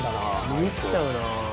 見入っちゃうなあ。